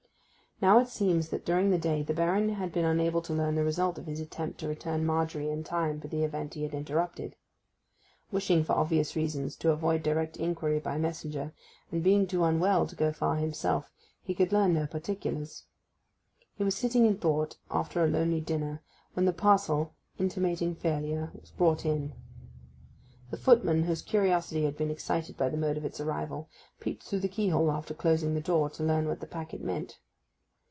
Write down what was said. Now it seems that during the day the Baron had been unable to learn the result of his attempt to return Margery in time for the event he had interrupted. Wishing, for obvious reasons, to avoid direct inquiry by messenger, and being too unwell to go far himself, he could learn no particulars. He was sitting in thought after a lonely dinner when the parcel intimating failure as brought in. The footman, whose curiosity had been excited by the mode of its arrival, peeped through the keyhole after closing the door, to learn what the packet meant.